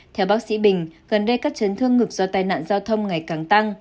theo bác sĩ bình gần đây các chấn thương ngực do tai nạn giao thông ngày càng tăng